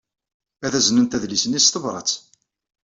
Ad aznent adlis-nni s tebṛat.